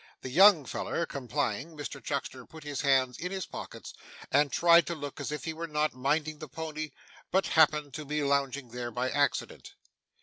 The 'young feller' complying, Mr Chuckster put his hands in his pockets, and tried to look as if he were not minding the pony, but happened to be lounging there by accident.